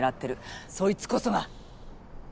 そいつこそが。